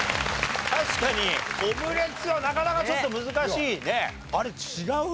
確かにオムレツはなかなかちょっと難しいね。